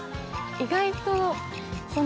意外と。